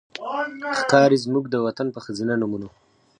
ښکاري زموږ د وطن په ښځېنه نومونو